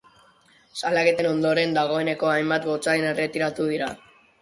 Salaketen ondoren, dagoeneko hainbat gotzain erretiratu dira.